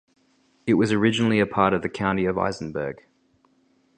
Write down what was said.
It was originally a part of the County of Isenburg.